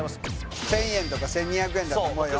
１０００円とか１２００円だと思うよ